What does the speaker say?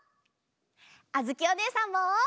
あづきおねえさんも！